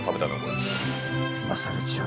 ［優ちゃん